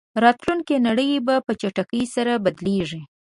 راتلونکې نړۍ به په چټکۍ سره بدلېږي.